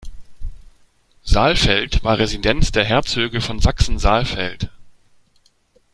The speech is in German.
Saalfeld war Residenz der Herzöge von Sachsen-Saalfeld.